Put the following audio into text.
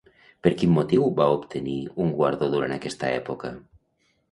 I per quin motiu va obtenir un guardó durant aquesta època?